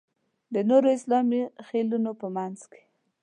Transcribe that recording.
د نورو اسلامي خېلونو په منځ کې.